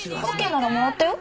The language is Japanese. ＯＫならもらったよ。